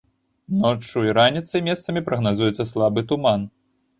Ноччу і раніцай месцамі прагназуецца слабы туман.